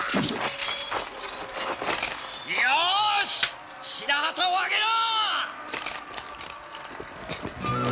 よし白旗を上げろ！